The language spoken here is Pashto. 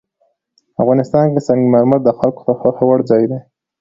افغانستان کې سنگ مرمر د خلکو د خوښې وړ ځای دی.